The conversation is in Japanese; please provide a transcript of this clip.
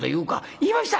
「言いました」。